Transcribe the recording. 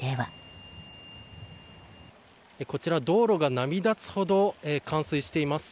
こちら、道路が波立つほど冠水しています。